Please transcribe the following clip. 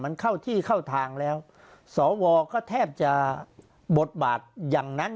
มันเข้าที่เข้าทางแล้วสวก็แทบจะบทบาทอย่างนั้น